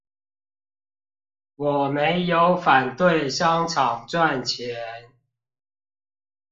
我沒有反對商場賺錢